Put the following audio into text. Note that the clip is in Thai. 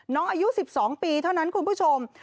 น้องอายุ๑๒ปีเท่านั้นคุณผู้ชม